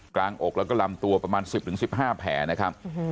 อกแล้วก็ลำตัวประมาณ๑๐๑๕แผลนะครับ